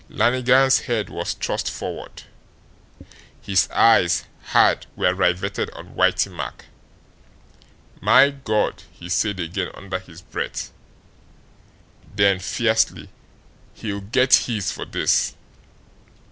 Lannigan's head was thrust forward; his eyes, hard, were riveted on Whitey Mack. "My God!" he said again under his breath. Then fiercely: "He'll get his for this!"